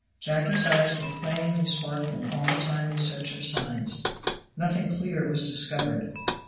Jacky's eyes were playing and sparkling all the time in search of signs. Nothing clear was discovered.